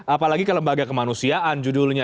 apalagi ke lembaga kemanusiaan judulnya